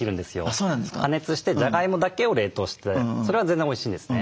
加熱してじゃがいもだけを冷凍してそれは全然おいしいんですね。